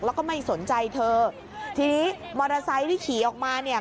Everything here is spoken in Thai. แล้วก็ไม่สนใจเธอทีนี้มอเตอร์ไซค์ที่ขี่ออกมาเนี่ย